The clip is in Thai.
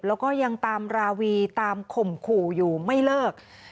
แล้วก็ยังตามราวีตามข่มขู่อยู่ไม่เลิก